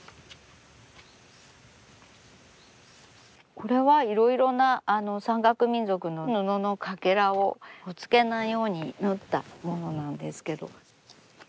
これはいろいろな山岳民族の布のかけらをほつけないように縫ったものなんですけど。